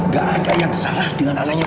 gak ada yang salah dengan alasannya